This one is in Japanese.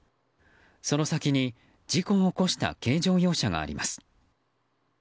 その先に事故を起こした軽乗用車があります。